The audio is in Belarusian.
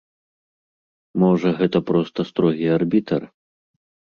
Можа, гэта проста строгі арбітр?